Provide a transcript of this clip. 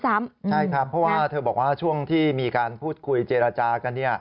ใช่ครับเพราะว่าเธอบอกว่าช่วงที่มีการพูดคุยเจรจากัน